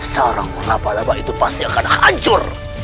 sarang menabar nabar itu pasti akan hancur